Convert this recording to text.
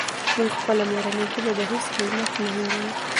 موږ خپله مورنۍ ژبه په هېڅ قیمت نه هېروو.